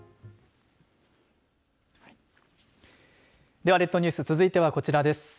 では列島ニュース続いてはこちらです。